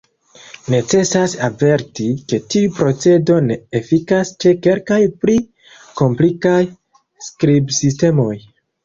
Necesas averti, ke tiu procedo ne efikas ĉe kelkaj pli komplikaj skribsistemoj.